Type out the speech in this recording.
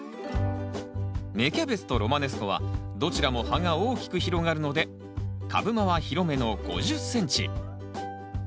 芽キャベツとロマネスコはどちらも葉が大きく広がるので株間は広めの５０ｃｍ。